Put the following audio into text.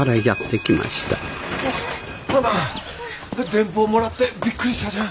電報もらってびっくりしたじゃん。